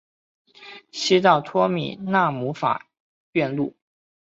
西到托特纳姆法院路。